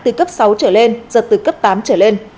từ cấp sáu trở lên giật từ cấp tám trở lên